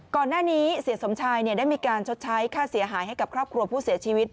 ก่อนหน้านี้เสียสมชายได้มีการชดใช้ค่าเสียหายให้กับครอบครัวผู้เสียชีวิต